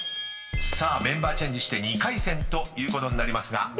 ［さあメンバーチェンジして２回戦ということになりますが］